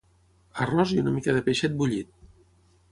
Arròs i una mica de peixet bullit